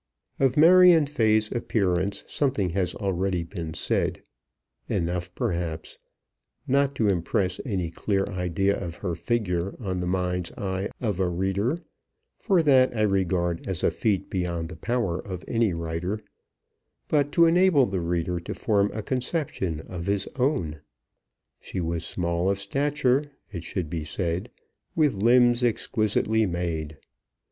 Of Marion Fay's appearance something has already been said; enough, perhaps, not to impress any clear idea of her figure on the mind's eye of a reader, for that I regard as a feat beyond the power of any writer, but to enable the reader to form a conception of his own. She was small of stature, it should be said, with limbs exquisitely made.